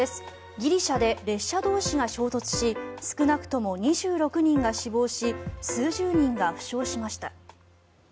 ギリシャで列車同士が衝突し少なくとも２６人が死亡し数十人が負傷しました。